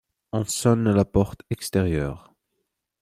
On sonne à la porte extérieure.